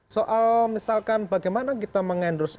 soal misalkan bagaimana kita mengendorse